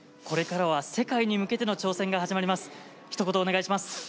これからは世界に向けての挑戦が始まります。